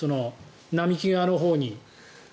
並木側のほうに。